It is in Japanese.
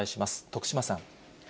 徳島さん。